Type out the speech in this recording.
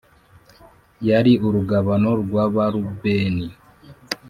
Yari urugabano rw abarubeni